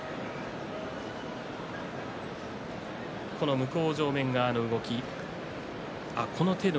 向正面側の動きです。